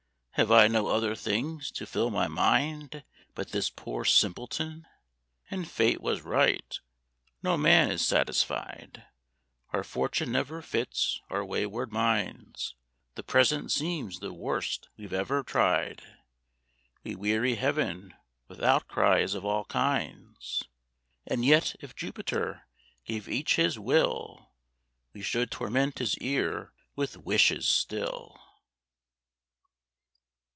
Have I no other things To fill my mind but this poor simpleton?" And Fate was right. No man is satisfied: Our fortune never fits our wayward minds; The present seems the worst we've ever tried; We weary Heaven with outcries of all kinds. And yet, if Jupiter gave each his will, We should torment his ear with wishes still.